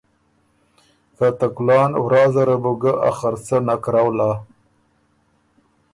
که ته کُلان ورا زره بو ګۀ ا خرڅه نک رؤلا،